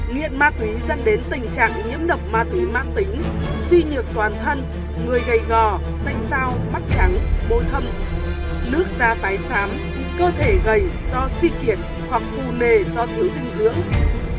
nghiện ma túy dẫn đến tình trạng nhiễm độc ma túy mát tính suy nhược toàn thân người gầy gò xanh xao mắt trắng bôi thâm nước da tái xám cơ thể gầy do suy kiệt hoặc phù nề do thiếu dinh dưỡng